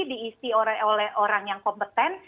diisi oleh orang yang kompeten